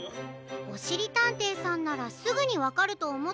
おしりたんていさんならすぐにわかるとおもったんだけど。